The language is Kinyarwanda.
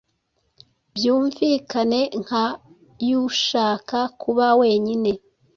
Byumvikane nka yushaka kuba wenyine.